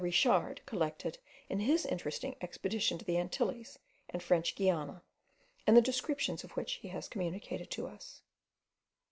Richard collected in his interesting expedition to the Antilles and French Guiana, and the descriptions of which he has communicated to us.